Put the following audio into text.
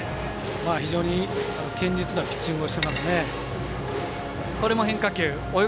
非常に堅実なピッチングをしてますね。